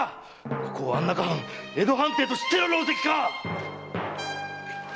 ここを安中藩江戸藩邸と知っての狼藉か！